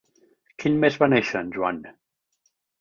Quin mes va néixer en Joan?